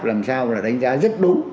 làm sao là đánh giá rất đúng